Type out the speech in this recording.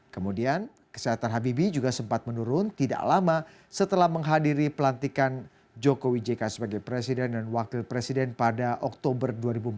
kemudian kesehatan habibie juga sempat menurun tidak lama setelah menghadiri pelantikan jokowi jk sebagai presiden dan wakil presiden pada oktober dua ribu empat belas